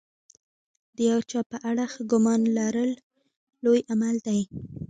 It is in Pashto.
د یو چا په اړه ښه ګمان لرل لوی عمل دی.